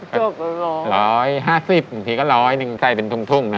จบละร้อยร้อยห้าสิบถึงก็ร้อยนึงใส่เป็นทุ่งนะ